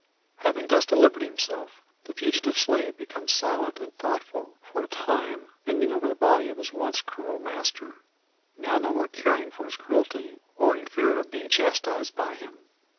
Having thus delivered himself, the fugitive slave becomes silent and thoughtful, for a time, bending over the body of his once cruel master, now no more caring for his cruelty, or in fear of being chastised by him.